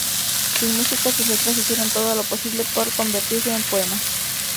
Sin música, sus letras hicieron todo lo posible para convertirse en poemas.